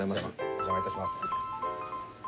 お邪魔いたします。